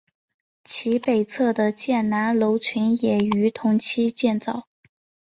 其北侧的建南楼群也于同期建造。